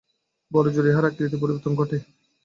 বড়জোর ইহার আকৃতির পরিবর্তন ঘটে।